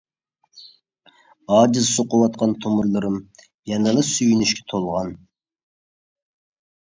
ئاجىز سوقۇۋاتقان تومۇرلىرىم، يەنىلا سۆيۈنۈشكە تولغان.